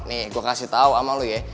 nih gue kasih tau sama lo ya